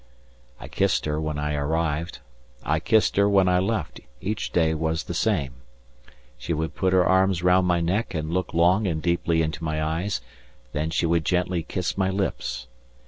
I kissed her when I arrived, I kissed her when I left, each day was the same. She would put her arms round my neck and look long and deeply into my eyes, then she would gently kiss my lips.